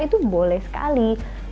itu boleh sekali